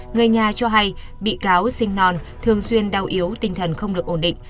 người nhà cho hay bị cáo sinh non thường xuyên đau yếu tinh thần không được ổn định